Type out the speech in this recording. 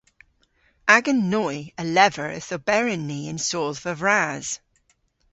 Agan noy a lever yth oberyn ni yn sodhva vras.